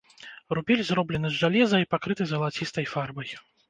Рубель зроблены з жалеза і пакрыты залацістай фарбай.